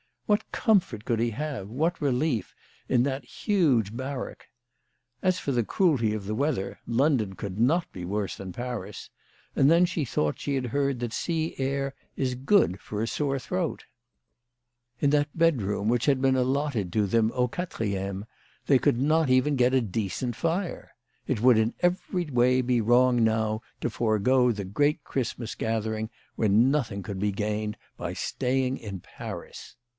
What comfort could he have, what relief, in that huge barrack ? As for the cruelty of the weather, London could not be worse than Paris, and then she thought she had heard that sea air is good for a sore throat. In that bedroom which had been 206 CHRISTMAS AT THOMPSON HALL. allotted to them au quatrieme, they could not even get a decent fire. It would in every way be wrong now to forego the great Christmas gathering when nothing could be gained by staying in Paris.